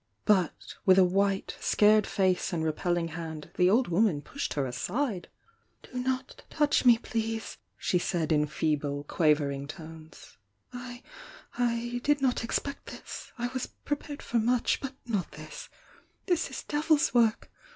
But, with a white, scared face and repelling hand, the old woman pushed her aside. "Do not touch me, please!" she said, in feeble, quavering tones — "I — I did not expect this! I was prepared for much — but not this! — this is devil's work!